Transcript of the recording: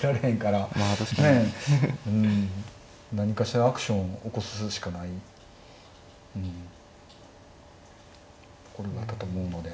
何かしらアクションを起こすしかないところだったと思うので。